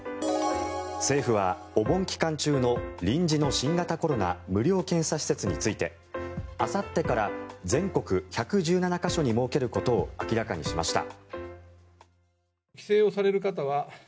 政府はお盆期間中の臨時の新型コロナ無料検査施設についてあさってから全国１１７か所に設けることを明らかにしました。